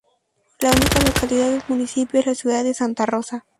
La única localidad del municipio es la ciudad de Santa Rosa.